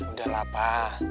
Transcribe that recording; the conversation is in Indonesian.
udah lah pa